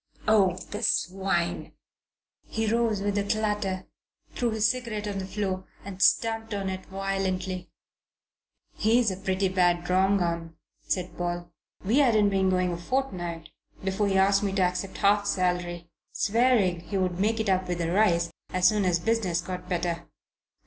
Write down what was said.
Oh, the swine!" He rose with a clatter, threw his cigarette on the floor and stamped on it violently. "He's a pretty bad wrong 'un," said Paul. "We hadn't been going a fortnight before he asked me to accept half salary, swearing he would make it up, with a rise, as soon as business got better.